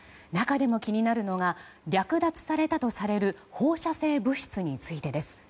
中でも気になるのが略奪されたとされる放射性物質についてです。